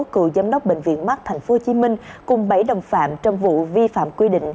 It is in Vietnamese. cựu giám đốc bệnh viện mắt tp hcm cùng bảy đồng phạm trong vụ vi phạm quy định